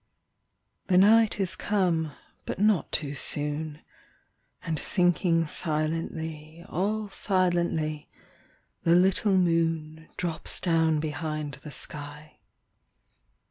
The night is come, but not too soon; And sinking silently, All silently, the little moon Drops down behind the sky.